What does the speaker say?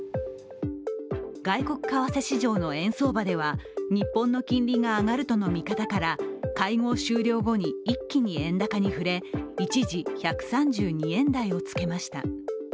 外国為替市場の円相場では、日本の金利が上がるとの見方から、会合終了後に一気に円高に振れ、一時１３２円台をつけました。